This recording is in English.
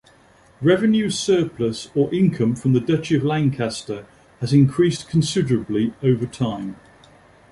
Revenue surplus or income from the Duchy of Lancaster has increased considerably over time.